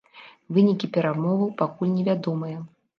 Вынікі перамоваў пакуль невядомыя.